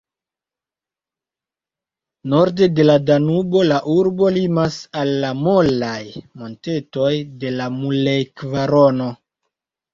Norde de la Danubo la urbo limas al la molaj montetoj de la Mulej-kvarono.